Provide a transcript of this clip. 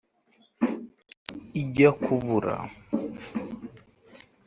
Ijya kubura